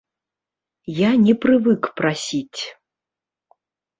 Я не прывык прасіць.